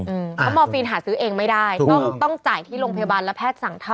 เพราะมอร์ฟีนหาซื้อเองไม่ได้ต้องต้องจ่ายที่โรงพยาบาลแล้วแพทย์สั่งเท่า